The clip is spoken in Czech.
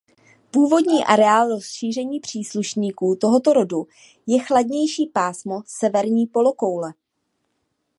Původní areál rozšíření příslušníků tohoto rodu je chladnější pásmo severní polokoule.